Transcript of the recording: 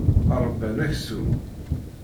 Ṛebban aksum.